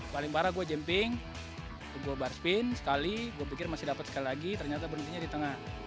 paling parah gue jemping gue bar spin sekali gue pikir masih dapat sekali lagi ternyata berhentinya di tengah